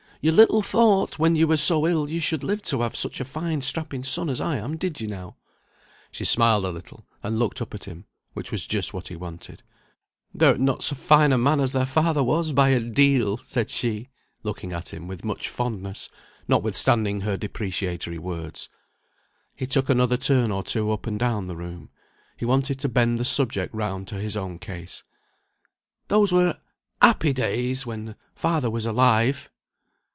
"You little thought when you were so ill you should live to have such a fine strapping son as I am, did you now?" She smiled a little, and looked up at him, which was just what he wanted. "Thou'rt not so fine a man as thy father was, by a deal!" said she, looking at him with much fondness, notwithstanding her depreciatory words. He took another turn or two up and down the room. He wanted to bend the subject round to his own case. "Those were happy days when father was alive!"